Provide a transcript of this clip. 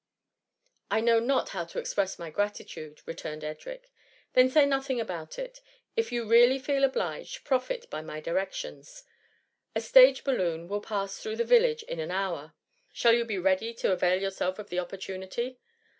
^*' I know not how to express my gratitude,^ returned Edric. " Then say nothing about it — ^if you really feel obliged, profit by my directions. A stage balloon will pass through the village in an hour, shall you. be ready to avail yourselves of the opportunity?"